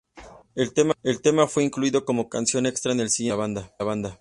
El tema fue incluido como canción extra en el siguiente álbum de la banda.